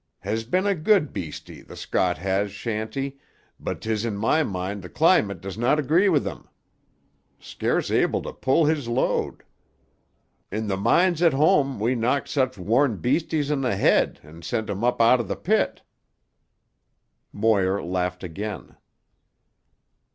Has been a good beastie, the Scot has, Shanty, but 'tis in my mind tuh climate does not 'gree with him. Scarce able to pull his load. In tuh mines at home we knocked such worn beasties in the head and sent them up o' tuh pit." Moir laughed again.